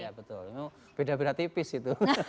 ya betul ini beda beda tipis itu